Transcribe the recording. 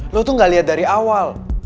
lo tuh gak lihat dari awal